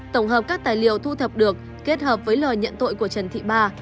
tổng hợp các tài liệu thu thập được kết hợp với lời nhận tội của trần thị ba